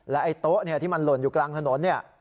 แล้วไอ้โต๊ะที่มันหล่นอยู่กลางถนน